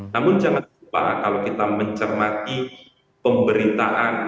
namun jangan lupa kalau kita mencermati pemberitaan